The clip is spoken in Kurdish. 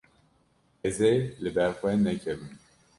Ez ê li ber xwe nekevim.